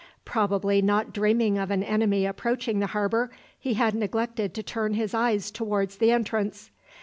Probably not dreaming of an enemy approaching the harbour, he had neglected to turn his eyes down towards the entrance.